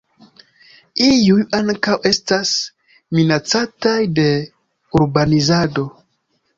Iuj ankaŭ estas minacataj de urbanizado.